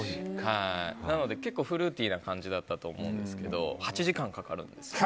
なので結構フルーティーな感じだったと思うんですけど８時間かかるんですよ